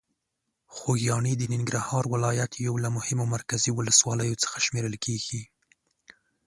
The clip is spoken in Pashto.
خوږیاڼي د ننګرهار ولایت یو له مهمو مرکزي ولسوالۍ څخه شمېرل کېږي.